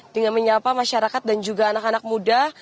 dengan menyapa masyarakat dan juga anak anak muda